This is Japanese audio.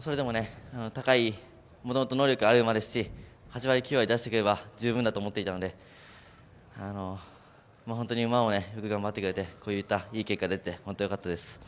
それでもね高い能力のある馬ですし８割、９割出してくれれば十分だと思っていたので本当に馬もよく頑張ってくれてこういったいい結果が出て本当によかったです。